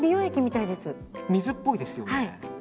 水っぽいですよね。